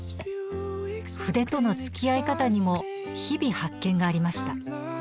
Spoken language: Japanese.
筆とのつきあい方にも日々発見がありました。